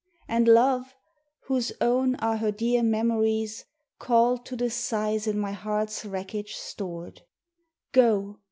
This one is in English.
And Love, whose own are her dear memories, Called to the sighs in my heart's wreckage stored: 'Go!